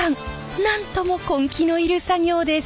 なんとも根気のいる作業です。